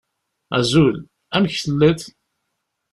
Azul. Amek telliḍ?